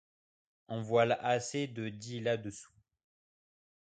En voilà assez de dit là dessus!